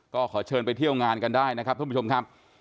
ก็ขอเชิญไปเที่ยวงานกันได้นะครับท่านผู้ชมครับ